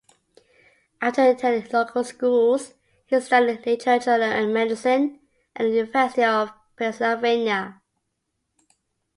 After attending local schools, he studied literature and medicine at the University of Pennsylvania.